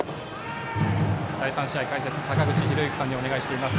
第３試合、解説、坂口裕之さんにお願いしています。